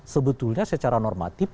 sebetulnya secara normatif